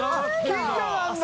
近所なんだ！